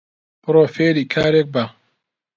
بڕۆ فێری کارێک بە